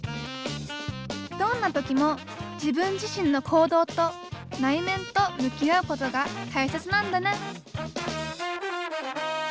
どんな時も自分自身の行動と内面と向き合うことが大切なんだね